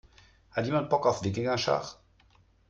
Hat jemand Bock auf Wikingerschach?